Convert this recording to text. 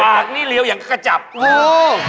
ปากนี่เลียวอย่างกับกระจับทางโอ้โฮ